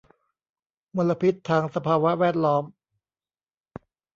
มลพิษทางสภาวะแวดล้อม